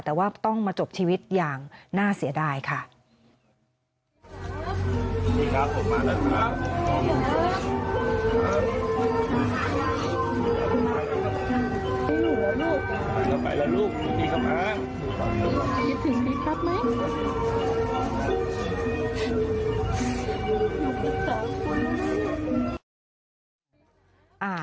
แต่ว่าต้องมาจบชีวิตอย่างน่าเสียดายค่ะ